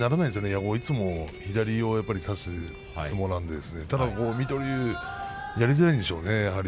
矢後は左を差す相撲なのでただ水戸龍、やりづらいんでしょうねやはり。